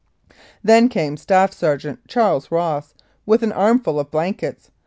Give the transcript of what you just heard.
Then came Staff Sergeant Charles Ross with an armful of blankets.